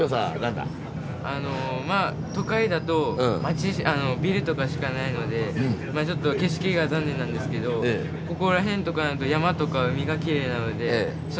まあ都会だと町ビルとかしかないのでちょっと景色が残念なんですけどここら辺とか山とか海がきれいなのでそれがここの良さだと思います。